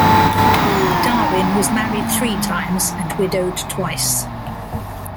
Darwin was married three times and widowed twice.